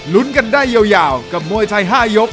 ลุ้นกันได้ยาวกับมวยไทย๕ยก